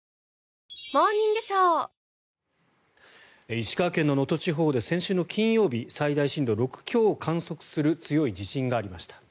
石川県の能登地方で先週の金曜日最大震度６強を観測する強い地震がありました。